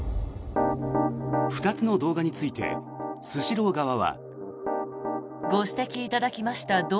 ２つの動画についてスシロー側は。